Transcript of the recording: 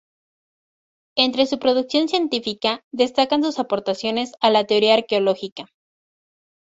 Entre su producción científica, destacan sus aportaciones a la teoría arqueológica.